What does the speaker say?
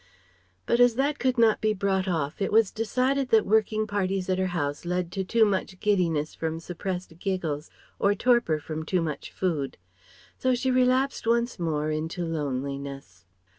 But as that could not be brought off, it was decided that working parties at her house led to too much giddiness from suppressed giggles or torpor from too much food. So she relapsed once more into loneliness.